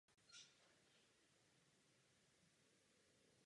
Dalším významným faktorem bude modernizace elektrických sítí.